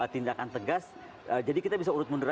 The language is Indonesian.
tindakan tegas jadi kita bisa urut mundur